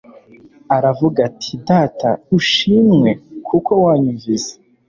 Aravuga ati: "Data ushinnwe kuko wanyunvise.